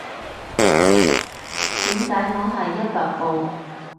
點解我係一百步